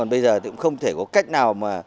bây giờ cũng không thể có cách nào